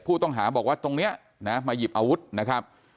ผู้ต้องหาบอกว่าตรงนี้นะมาหยิบอาวุธนะครับ